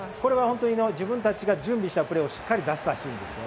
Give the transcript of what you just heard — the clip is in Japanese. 自分たちが準備したプレーをしっかり出せたシーンです。